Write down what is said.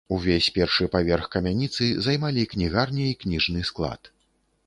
Увесь першы паверх камяніцы займалі кнігарня і кніжны склад.